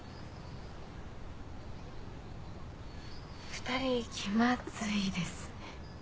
２人気まずいですね。